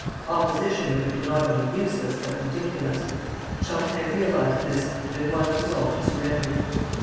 Opposition would have been not only useless, but ridiculous. Champlain realized this, and at once resolved to surrender.